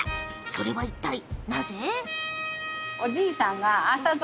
それは、いったい？